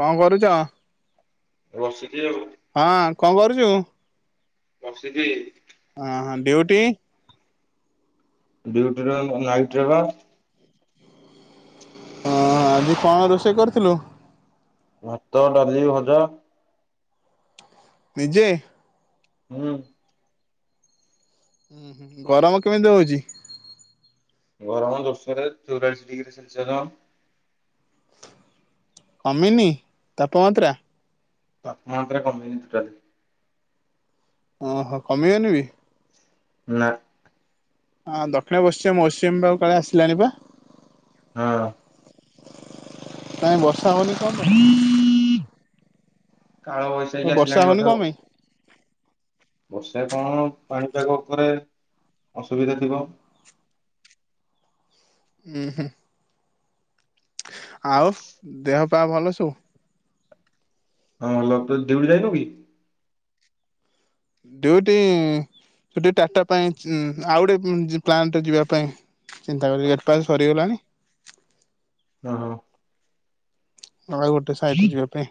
କଣ କରୁଚ? ବସିଚି ଆଉ। ହଁ କଣ କରୁଚୁ? ବସିଚି। ଆଁ ହଁ ଡିୟୁଟି ଡିୟୁଟିରେ ନାଇଟ ରେ ବା। ହଁ ଆଜି କଣ ରୋଷେଇ କରିଥିଲୁ? ଭାତ ଡାଲି ଭଜା। ନିଜେ ହୁଁ। ହୁଁ ହୁଁ ଗରମ କେମିତି ହଉଛି? ଗରମ ଜୋରଶରେ ଚଉରାଳିଶ ଡିଗ୍ରୀ ସେଲସିୟର। କମିନୀ ତାପମାତ୍ରା। ତାପମାତ୍ରା କମିନି ଟୋଟଲି। ଓହୋ କମିବନି ବି। ନା। ହଁ ଦକ୍ଷିଣ ପଶ୍ଚିମ ମୌସୁମୀ ବାୟୁ କାଳେ ଆସିଲାଣି ପା ହଁ। କାଇଁ ବର୍ଷା ହଉନି। [unintelligible] କାଳ ବୈସାକି ବର୍ଷା ଆସିଲାଣି ହଉନି ବୋଧେ କଣ ଆଉ। ପାଇଁ? ବର୍ଷା କଣ ପାଣିପାଗ ଉପରେ ଅସୁବିଧା ଥିବ। ହୁଁ ହୁଁ। ଆଉ ଦେହ ପା ଭଲ ସବୁ। ହଁ [unintelligible] ଡିୟୁଟି ଯାଇନୁ କି? ଡିୟୁଟି ସେଠି ଟାଟା ପାଇଁ ଆଉ ଗୋଟେ ପ୍ଲାଣ୍ଟ ଯିବା ପାଇଁ ଚିନ୍ତା କଲି ଗେଟ ଫାସ ସରିଗଲା। ଓ ହୋ। ଆଉ ଗୋଟେ ସାଇଟି ଯିବା ପାଇଁ।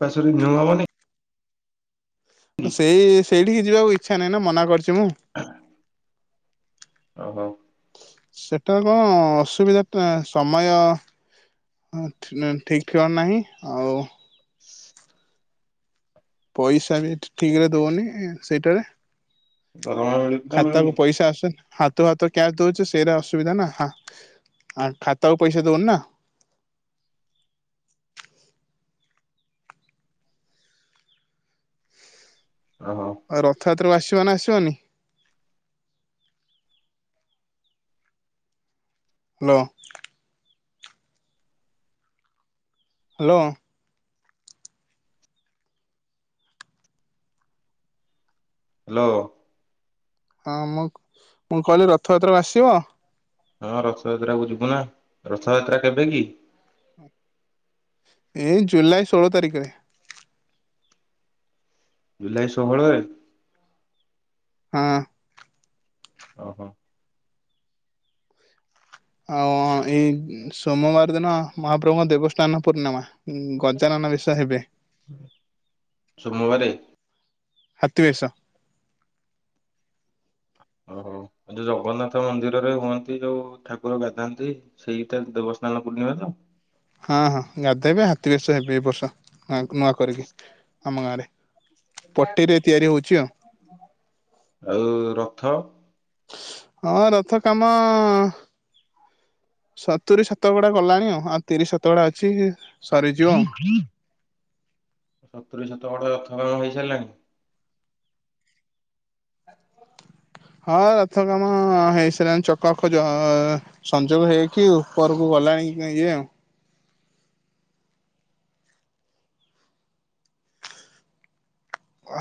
ଟରେିୁ ହବନି [unintelligible] କି ସେଇ ସେଇଠିକି ଯିବାକୁ ଇଚ୍ଛା ନାହିଁ ନା ମନା କରିଚି ମୁଁ। ହ [inaudible] ଓହୋ। ସେଟା କଣ ଅସୁବିଧା ସମୟ। ହଁ ଠିକ୍ ଠିକଣା ନାହିଁ ଆଉ ପଇସା ବି ଠିକରେ ଦଉନି ସେଇଟାରେ। ଦରମା ମିଳୁଛି ନା ମିଳୁନି ଖାତାକୁ ପଇସା ଆସୁନି ହା ତୋ ହାତକୁ କ୍ୟାସ ଦଉଚୁ ସେରା ଅସୁବିଧା ନା ହଁ ଆ ଖାତାକୁ ପଇସା ଦଉନି ନା। ଓହୋ। ରଥଯାତ୍ରକୁ ଆସିବ ନା ଆସିବନି। ହାଲୋ। ହାଲୋ। ହ୍ୟାଲୋ। ହଁ ମ ମୁଁ କହିଲି ରଥ ଯାତ୍ରା କୁ ଆସିବ। ହଁ ରଥଯାତ୍ରା କୁ ଯିବୁ ନା ରଥଯାତ୍ରା କେବେ କି? ଏଇ ଜୁଲାଇ ଷୋହଳ ତାରିଖରେ। ଜୁଲାଇ ଷୋହଳରେ। ହଁ। ଓହୋ। ଆଉ ଏଇ ସୋମବାର ଦିନ ମହାପ୍ରଭୁଙ୍କ ଦେବସ୍ନାନ ପୂର୍ଣ୍ଣିମା। ଉଁ ଗଜାନନ ବେଶ ହେବେ। ସୋମବାରେ। ହାତୀ ବେଶ। ଓହୋ ଆଉ ଯୋଉ ଜଗନ୍ନାଥ ମନ୍ଦିରରେ ହୁଅନ୍ତି ଯୋଉ ଠାକୁର ଗାଧାନ୍ତି। ସେଇଟା ଦେବସ୍ନାନ ପୂର୍ଣ୍ଣିମା ତ। ହଁ ହଁ ଗାଧୋଇବେ ହାତୀ ବେଶ ହେବେ ଏ ବର୍ଷ ନୂଆ କରିକି ଆମ ଗାଁରେ। ପଟିରେ ତିଆରି ହଉଛି ଆଉ। ଆଉ ରଥ। ହଁ ରଥ କାମ ସତୁରି ଶତକଡ଼ା ଗଲାଣି ଆଉ ତିରିଶ ସତକଡ଼ା ଅଛି। ସରିଯିବ ଆଉ ସତୁରି ଶତକଡ଼ା ରଥ କାମ ହୋଇ ସାରିଲାଣି। [inaudible] ହଁ ରଥ କାମ ହେଇସାଇଲାଣି ଚକ ଖଜ ସଂଯୋଗ ହେଇକି ଉପରକୁ ଗଲାଣି ଇଏ ଆଉ।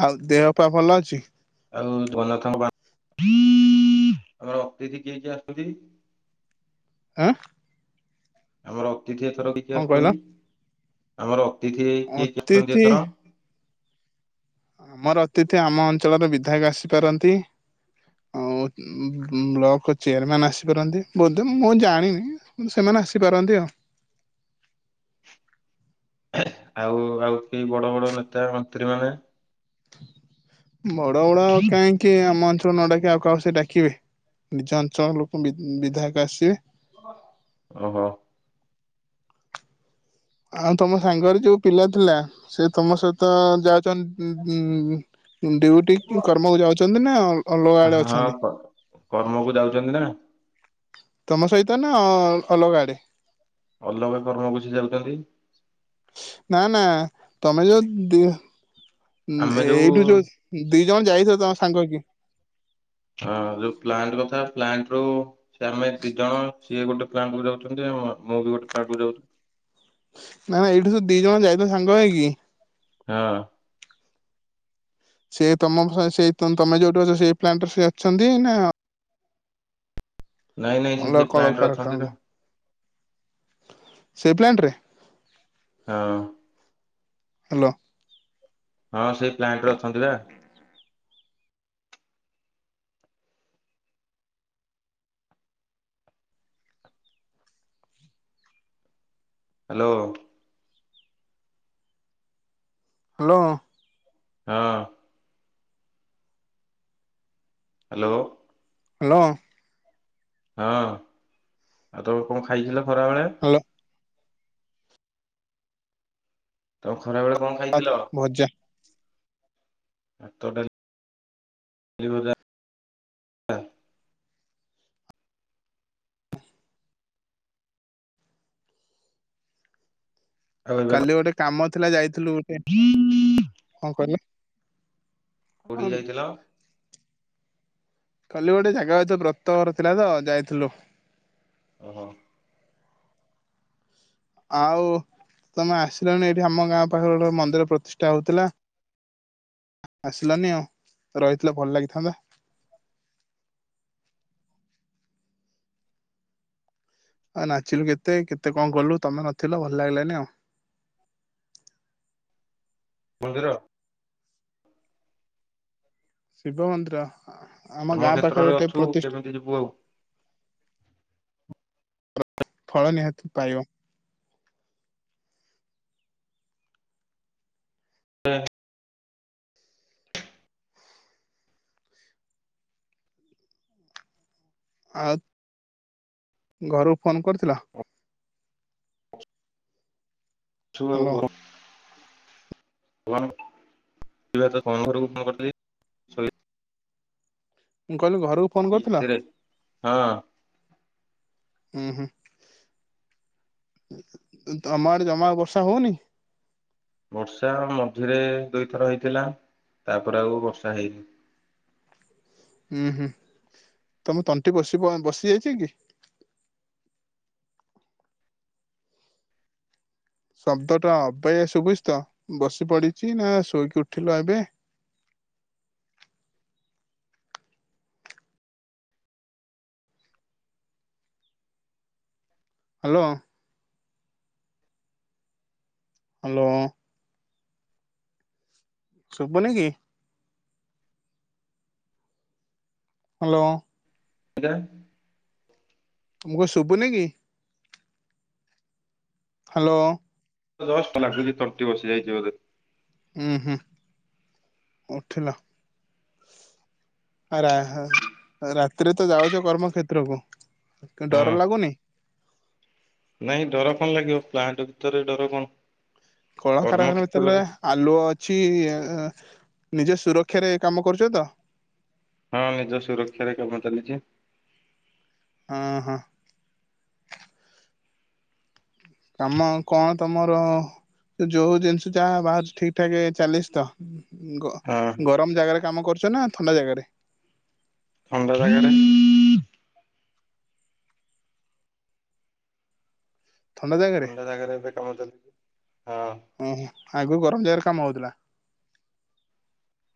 ଆଉ ଦେହ ପା ଭଲ ଅଛି। ଆଉ ଜଗନ୍ନାଥଙ୍କ ଆମର ଅତିଥି କିଏ କିଏ ଆସୁଛନ୍ତି [inaudible] ଉଁ। ଆମର ଅତିଥି ଏଥର କିଏ କିଏ କଣ କହିଲ ଆସୁଛନ୍ତି ଆମର ଅତିଥି କିଏ କିଏ ଆସୁଛନ୍ତି ଅତିଥି ଏଥର। ଆମର ଅତିଥି ଆମ ଅଞ୍ଚଳର ବିଧାୟକ ଆସିପାରନ୍ତି ଆଉ ବ୍ଲକ ଚେୟାରମ୍ୟାନ୍ ଆସିପାରନ୍ତି ବୋଧେ ମୁଁ ଜାଣିନି ସେମାନେ ଆସିପାରନ୍ତି ଆଉ। ଆଉ ଆଉ କେହି ବଡ ବଡ ନେତା ମନ୍ତ୍ରୀ ମାନେ ବଡ ବଡ ଆଉ କାଇଁ। କିଏ ଆମ ଅଞ୍ଚଳ ନ ଡାକି ଆଉ କାହାକୁ ସେ ଡାକିବେ ନିଜ ଅଞ୍ଚଳ ର ଲୋକ ବିଧାୟକ ଆସିବେ। ଓହୋ। ଆଉ ତମ ସାଙ୍ଗରେ ଯୋଉ ପିଲା ଥିଲା ସେ ତମ ସହିତ ଯାଉଛନ୍ତି। ଉଁ ଉଁ ଡିଉଟି କି କର୍ମ କୁ ଯାଉଛନ୍ତି ନା ଅଲଗା ଆଡ଼େ ହଁ ଅଛନ୍ତି। କ- କର୍ମକୁ ଯାଉଛନ୍ତି ନା। ତମ ସହିତ ନା ଅଲଗା ଆଡେ। ଅଲଗା କର୍ମକୁୁ ସେ ଯାଉଛନ୍ତି। ନା ନା ତମେ ଯୋଉ ଦି ହୁ ଏଇଠୁ ଯୋଉ ଦି ଜଣ ଯାଇଥିବ ସାଙ୍ଗ ହେଇକି। ହଁ ଯୋଉ ପ୍ଲାଣ୍ଟ କଥା ପ୍ଲାଣ୍ଟ ରୁ ସେ ଆମେ ଦି ଜଣ ସିଏ ଗୋଟେ ପ୍ଲାଣ୍ଟ କୁ ଯାଉଛନ୍ତି ମୁଁ ବି ଗୋଟେ ପ୍ଲାଣ୍ଟ କୁ ଯାଉଚି। ନା ନା ଏଇଠୁ ଯୋଉ ଦି ଜଣ ଯାଇଥିଲ ସାଙ୍ଗ ହେଇକି। ହଁ। ସେ ତମ ସେ ତମେ ଯୋଉଠୁ ଅଛ ସେଇ ପ୍ଲାଣ୍ଟରେ ସେ ଅଛନ୍ତି ନା ନାଇଁ ନାଇଁ ସେଇ ପ୍ଲାଣ୍ଟ ରେ ଅଛନ୍ତି ନା। ସେ ପ୍ଲାଣ୍ଟ ରେ। ହଁ। ହ୍ୟାଲୋ। ହଁ ସେଇ ପ୍ଲାଣ୍ଟ ରେ ଅଛନ୍ତି ବା। ହ୍ୟାଲୋ। ହ୍ୟାଲୋ। ହଁ। ହ୍ୟାଲୋ। ହ୍ୟାଲୋ। ହଁ ଆଉ ତମେ କଣ ଖାଇଥିଲ ଖରାବେଳେ? [unintelligible] ତମେ ଖରା ବେଳେ କଣ ଖାଇଥିଲ ଭଜା ଭାତ ଡାଲି। [unintelligible] ଆଉ ଏବେ କଣ? କାଲି ଗୋଟେ କାମ ଥିଲା ଯାଇଥିଲୁ ଗୋଟେ କଣ କହିଲ। କୋଇଠିକି ହଁ ଯାଇଥିଲ? କାଲି ଗୋଟେ ଜାଗା ଏ ତ ବ୍ରତ ଘର ଥିଲା ତ ଯାଇଥିଲୁ। ଓହୋ। ଆଉ ତମେ ଆସିଲଣି ଏଇଠି ଆମ ଗାଁ ପାଖରେ ଗୋ ମନ୍ଦିର ପ୍ରତିଷ୍ଠା ହଉଥିଲା। ଆସିଲାନି ଆଉ ରହିଥିଲେ ଭଲ ଲାଗିଥାନ୍ତା। ଆଉ ନାଚିଲୁ କେତେ କେତେ କଣ କଲୁ ତମେ ନଥିଲ ଭଲ ଲାଗିଲାନି ଆଉ। ମନ୍ଦିର ଶିବ ମନ୍ଦିର ଆମ କର୍ମ ଗାଁ ପାଖରେ କ୍ଷେତ୍ରରେ ଗୋଟେ ଅଛୁ ପ୍ରତିଷ୍ଠ କେମିତି ଯିବୁ ଆଉ। ଫଳ ନିହାତି ପାଇବ। [unintelligible] ଆଉ ଘରକୁ ଫୋନ୍ କରିଥିଲ? ଛୁ ହ୍ୟାଲୋ କଣ ଯ ତ ତମ ଘରକୁ କଣ [unintelligible] କରିଥିଲ। ମୁଁ କହିଲି ଘରକୁ ଫୋନ କରିଥିଲ? ରାତିରେ। ହଁ ଉ ହୁ। ତମ ଆଡେ ଜମା ବର୍ଷା ହଉନି। ବର୍ଷା ମଝିରେ ଦୁଇଥର ହେଇଥିଲା ତାପରେ ଆଉ ବର୍ଷା ହେଇନି। ହୁଁ ହୁଁ ତମେ ତଣ୍ଟି ବସି ବସି ଯାଇଛି କି? ଶବ୍ଦ ଟା ଅବେେଇ ଆ ଶୁ ବୁଝ ତ ବସି ପଡିଛି ନା ଶୋଇକି ଉଠିଲ ଏବେ। ହ୍ୟାଲୋ। ହ୍ୟାଲୋ। ଶୁବୁନି କି? ହ୍ୟାଲୋ। ଆଜ୍ଞା। ମୁଁ କ ଶୁଭୁନି କି? ହ୍ୟାଲୋ। ଜଷ୍ଟ ଲାଗୁଛି, ତଣ୍ଟି ବସି ଯାଇଛିି ବଧେ। ହୁଁ ହୁଁ, ଉଠିଲା। [unintelligible] ରାତିରେ ତ ଯାଉଛ, କର୍ମକ୍ଷେତ୍ରକୁ କି ଡର ଲାଗୁନି? ନାହିଁ, ଡର କଣ ଲାଗିବ? ପ୍ଲାଣ୍ଟ ଭିତରେ ଡର କଣ! କଳକାରାରଖାନା ଭିତର କର୍ମକ୍ଷେତ୍ରରେ ଆଲୁଅ ଅଛି, ନିଜ ସୁରକ୍ଷାରେ କାମ କରୁଛ ତ? ହଁ, ନିଜ ସୁରକ୍ଷାରେ କାମ ଚାଲିଛି। ହଁ ହଁ। କାମ କଣ ତମର? ଯୋଉ ଜିନିଷ ଯାହା ବାହାରୁଛି, ଠିକ୍ ଠାକ୍ ଚାଲିଛି ତ? ଗ ହଁ ଗରମ ଜାଗାରେ କାମ କରୁଛ ନା ଥଣ୍ଡା ଜାଗାରେ? ଥଣ୍ଡା ଜାଗାରେ। [inaudible] ଥଣ୍ଡା ଜାଗାରେ ଏବେ କାମ ଚାଲିଛି, ହଁ। ଓହୋ, ଆଗରୁ ଗରମ ଜାଗାରେ କାମ ହଉଥିଲା?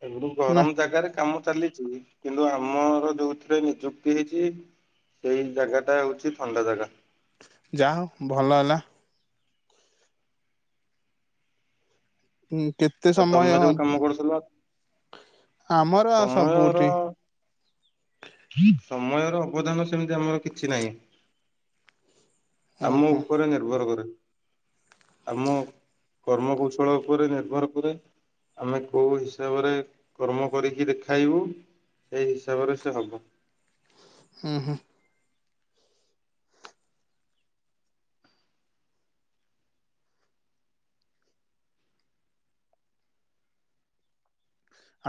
ଏବଟୁକୁ ନା ଗରମ ଜାଗାରେ କାମ ଚାଲିଚି। କିନ୍ତୁ ଆମର ଯୋଉଥିରେ ନିଯୁକ୍ତି ହେଇଚି ସେଇ ଜାଗାଟା ହଉଚି ଥଣ୍ଡା ଜାଗା। ଯାହା ହଉ ଭଲ ହେଲା। ହୁଁ କେତେ ଆଉ ସମୟ ତମେ ହଁ ଯୋଉ କାମ ଉଁ କରୁଥିଲ ଆମର ଆଉ ସମୟର ସବୁଠି। ସମୟର ଅବଦାନ ସେମିତି ଆମର କିଛି ନାହିଁ। ଆମ ଓହୋ ଉପରେ ନିର୍ଭର କରେ। ଆମ କର୍ମ କୌଶଳ ଉପରେ ନିର୍ଭର କରେ। ଆମେ କୋଉ ହିସାବରେ କର୍ମ କରିକି ଦେଖାଇବୁ ସେଇ ହିସାବରେ ସେ ହବ। ହୁଁ ହୁଁ।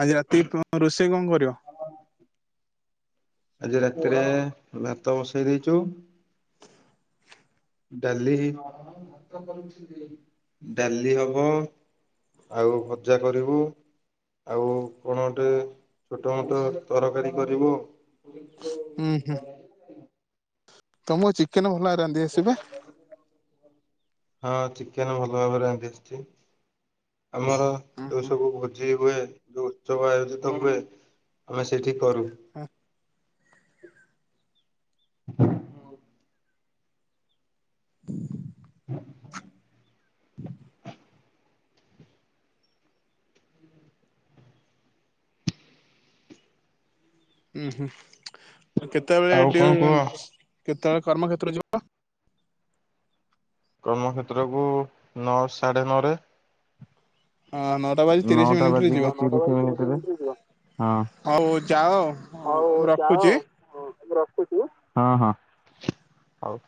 ଆଜି ରାତି କି କଣ ରୋଷେଇ କଣ କରିବ? ଆଜି ରାତିରେ ଭାତ ବସେଇ ଦେଇଚୁ। ଡାଲି ହେଇନି ହବ [unintelligible] ଡାଲି ହବ। ଆଉ ଭଜା କରିବୁ। ଆଉ କଣ ଗୋଟେ ଛୋଟ ମୋଟ ତରକାରୀ କରିବୁ। ହୁଁ ହୁଁ। ତମୁକୁ ଚିକେନ ଭଲ ଭାବେରେ ରାନ୍ଧି ଆସେ ବା? ହଁ ଚିକେନ ଭଲ ଭାବେରେ ରାନ୍ଧି ଆସଚି ଆମର ଉଁ ଯୋଉ ହୁଁ ସବୁ ଭୋଜି ହୁଏ ଯୋଉ ଉତ୍ସବ ଆୟୋଜିତ ହୁଏ ଆମେ ସେଇଠି କରୁ। ହଁ। [inaudible] [inaudible] [inaudible] ଉଁ ହୁଁ କେତେବେଳେ ଆଉ ଡିଉ କଣ ଉଁ କୁହ କେତେବେଳେ କର୍ମକ୍ଷେତ୍ର ଯିବ? କର୍ମକ୍ଷେତ୍ରକୁୁ ନଅ ସାଢେ ନଅ ରେ। ହଁ ନଅ ନଅ ଟା ବାଜିକି ତିରିଶି ମିନିଟରେ। ହଁ ହଉ ଯାଅ ମୁଁ ରଖୁଚି। ହଁ ହଁ ହଉ।